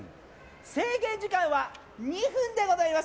制限時間は２分でございます。